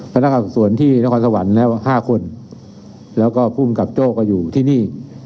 พนักงานสวนที่นครสวรรค์แล้ว๕คนแล้วก็ภูมิกับโจ้ก็อยู่ที่นี่